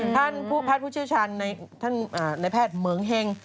ท่านพุทธผู้ชื่อชาญในแพทย์เหมืองเฮง